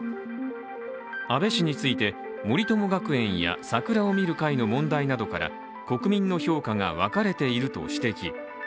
安倍氏について森友学園や桜を見る会の問題などから国民の評価が分かれていると指摘。